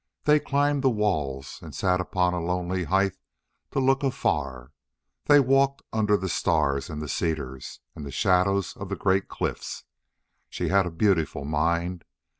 They climbed the walls, and sat upon a lonely height to look afar; they walked under the stars, and the cedars, and the shadows of the great cliffs. She had a beautiful mind.